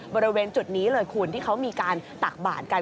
บริเวณจุดนี้เลยคุณที่เขามีการตักบาดกัน